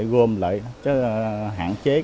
gồm lại hạn chế